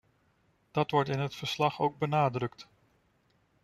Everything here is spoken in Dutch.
Dat wordt in het verslag ook benadrukt.